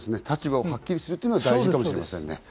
立場をはっきりするというのが大事かもしれませんね。